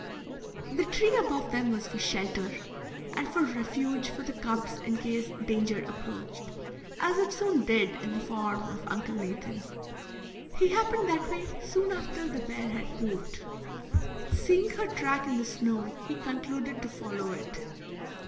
The tree above them was for shelter, and for refuge for the cubs in case danger approached, as it soon did in the form of Uncle Nathan. He happened that way soon after the bear had moved. Seeing her track in the snow, he concluded to follow it.